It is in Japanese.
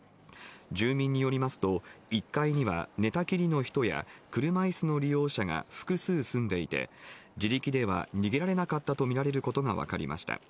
住民によりますと、１階には、寝たきりの人や車いすの利用者が複数住んでいて、自力では逃げられなかったと見られることが分かりました。